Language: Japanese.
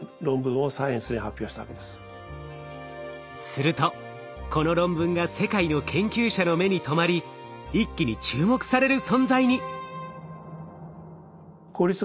するとこの論文が世界の研究者の目に留まり一気に注目される存在に。